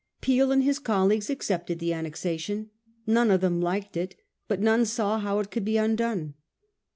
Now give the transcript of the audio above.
Peel and his colleagues accepted the annexation. None of them liked it ; but none saw how it could be undone.